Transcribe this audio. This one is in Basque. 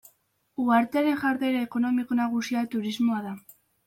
Uhartearen jarduera ekonomiko nagusia turismoa da.